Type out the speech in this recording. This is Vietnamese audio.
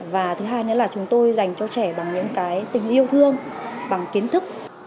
và thứ hai nữa là chúng tôi dành cho trẻ bằng những cái tình yêu thương bằng kiến thức